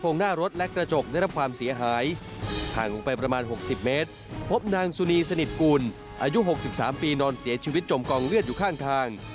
นางสุนีสนิทกูลอายุ๖๓ปีนอนเสียชีวิตจมกองเลือดอยู่ข้างทาง